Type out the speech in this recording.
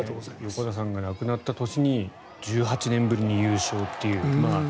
横田さんが亡くなった年に１８年ぶりに優勝という。